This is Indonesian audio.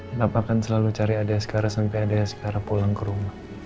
nggak akan selalu cari adik asgara sampai adik asgara pulang ke rumah